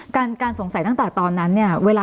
พ่ออารมณ์ร้อนเหรอ